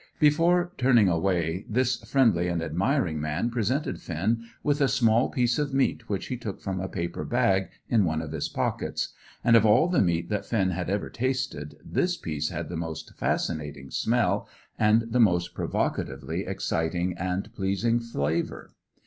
Before turning away, this friendly and admiring man presented Finn with a small piece of meat which he took from a paper bag in one of his pockets; and, of all the meat that Finn had ever tasted, this piece had the most fascinating smell and the most provocatively exciting and pleasing flavour.